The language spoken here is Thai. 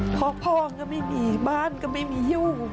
พ่อพ่องก็ไม่มีบ้านก็ไม่มีอยู่